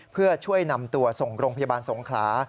เพื่อช่วยนำตัวส่งโรงพยาบาลสงขลา